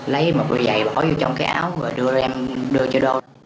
lấy tiền chia nhau tiêu xài